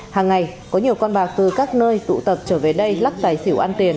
hàng ngày có nhiều con bạc từ các nơi tụ tập trở về đây lắc tài xỉu ăn tiền